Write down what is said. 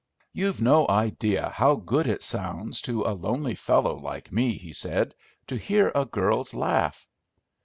"You've no idea how good it sounds to a lonely fellow like me," he said, "to hear a girl's laugh."